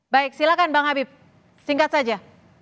baik silakan bang habib singkat saja